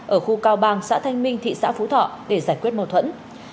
ở khu cao bang xã thanh minh thị xã phú thọ để giải quyết mâu thuẫn